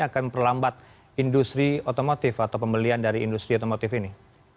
akan perlambat industri otomotif atau pembelian dari industri otomotif ini